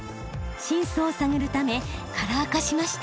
真相を探るためカラー化しました。